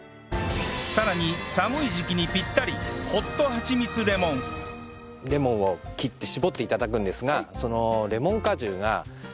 さらに寒い時期にピッタリレモンを切って搾って頂くんですがその。